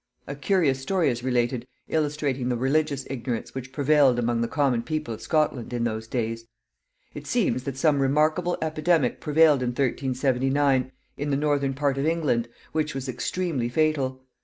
A curious story is related illustrating the religious ignorance which prevailed among the common people of Scotland in those days. It seems that some remarkable epidemic prevailed in 1379 in the northern part of England, which was extremely fatal.